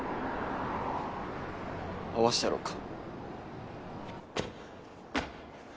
会わせてやろうか？